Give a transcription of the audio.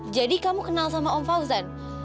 jadi kamu kenal sama om fauzan